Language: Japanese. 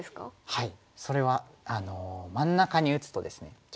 はい。